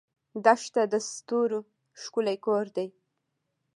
دښته د ستورو ښکلی کور دی.